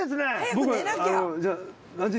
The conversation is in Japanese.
僕じゃあ。